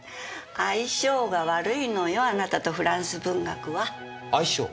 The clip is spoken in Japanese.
相性が悪いのよあなたとフランス文学は。相性？